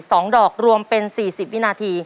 สองดอกรวมเป็น๔๐วินาที